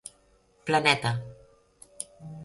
Planeta.